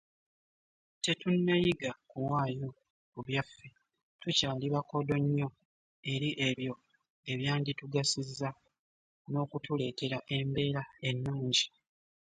Tetunnayiga kuwaayo ku byaffe tukyali bakodo nnyo eri ebyo ebyanditugasizza n'okutuleetera embeera ennungi.